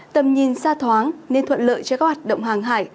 tầm nhìn xa thoáng nên thuận lợi cho các hoạt động hàng hải